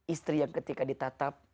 istri yang ketika ditatap